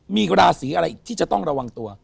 มีราศีอะไรอีกที่จะต้องระวังตัว